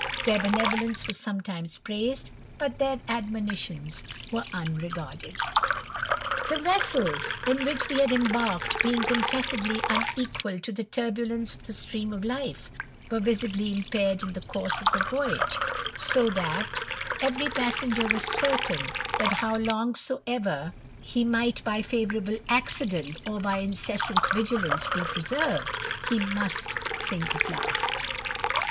Their benevolence was sometimes praised, but their admonitions were unregarded. The vessels in which we had embarked being confessedly unequal to the turbulence of the stream of life^ were visibly impaired in the course of the voyage; so that every passenger was certain, that how long soever he THE RAMBLER. 129 ^ight, by favourable accidents, or by incessant vigilance, ^^ preserved, he must sink at last.